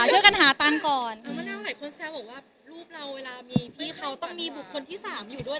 ลูกเรามีพี่ของเขาต้องมีบุคคนที่สามอยู่ด้วย